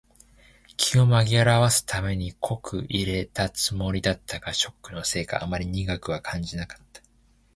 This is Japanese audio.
気を紛らわすために濃く淹れたつもりだったが、ショックのせいかあまり苦くは感じなかった。